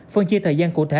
phân chia thời gian cụ thể